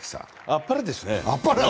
あっぱれですね。